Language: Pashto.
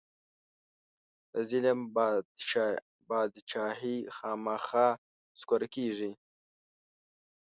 د ظلم بادچاهي خامخا نسکوره کېږي.